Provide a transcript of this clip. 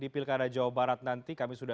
pertama tentu kang emil suli